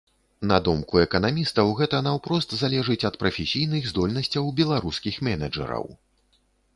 На думку эканамістаў, гэта наўпрост залежыць ад прафесійных здольнасцяў беларускіх менеджараў.